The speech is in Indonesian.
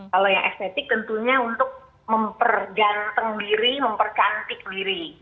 kalau yang estetik tentunya untuk memperganteng diri mempercantik diri